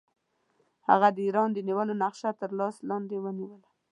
هغه د ایران د نیولو نقشه تر لاس لاندې ونیوله.